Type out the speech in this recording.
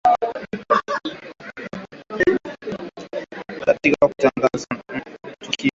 katika kutangaza matukio muhimu ya dunia